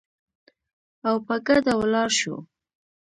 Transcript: او په ګډه ولاړ شو